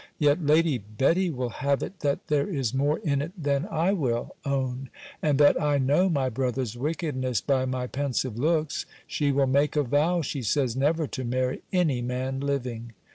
Yet Lady Betty will have it that there is more in it than I will own; and that I know my brother's wickedness by my pensive looks. She will make a vow, she says, never to marry any man living.